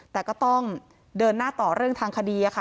แต่ก็ต้องเดินหน้าต่อเรื่องทางคดีค่ะ